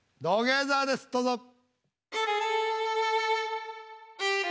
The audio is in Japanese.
どうぞ。